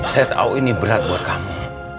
saya tahu ini berat buat kami